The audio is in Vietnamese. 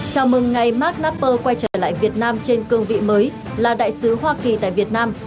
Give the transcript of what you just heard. chào mừng ngày mart napper quay trở lại việt nam trên cương vị mới là đại sứ hoa kỳ tại việt nam